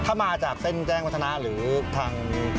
ถ้ามาจากเส้นแจ้งวัฒนะหรือทาง